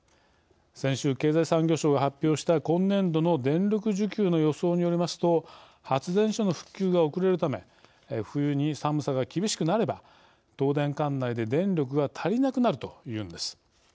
先週、経産省が発表した今年度の電力需給の予想によりますと発電所の復旧が遅れるため冬に寒さが厳しくなれば東電管内で電力が足りなくなるというのです。